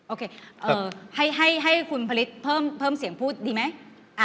โอเคให้คุณผลิตเพิ่มเสียงพูดดีไหม